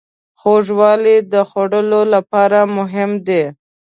خوږوالی د خوړو لپاره مهم دی.